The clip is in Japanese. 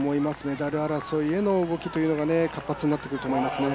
メダル争いへの動きというのが活発になってくると思いますね。